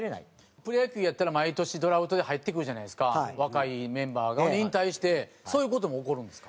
プロ野球やったら毎年ドラフトで入ってくるじゃないですか若いメンバーが。に対してそういう事も起こるんですか？